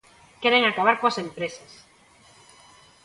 Queren acabar coas empresas.